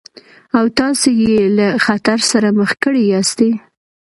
او تاسې يې له خطر سره مخ کړي ياستئ.